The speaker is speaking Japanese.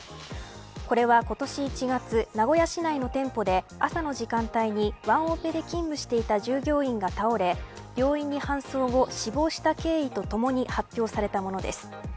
これは今年１月、名古屋市内の店舗で朝の時間帯にワンオペで勤務していた従業員が倒れ病院に搬送後死亡した経緯とともに発表されたものです。